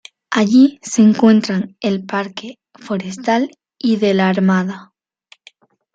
Allí se encuentran el Parque Forestal y de la Armada.